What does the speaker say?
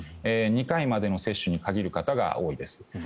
２回までの接種に限る方が多いです。